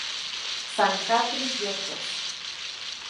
San katli yetos